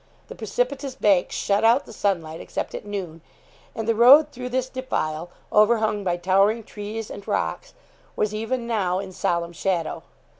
The precipitous banks shut out the sunlight, except at noon, and the road through this defile, overhung by towering trees and rocks, was even now in solemn shadow.